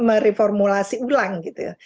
mereformulasi ulang gitu ya